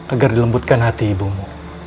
agar dilembutkan hati ibumu